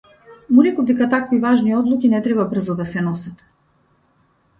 Му реков дека такви важни одлуки не треба брзо да се носат.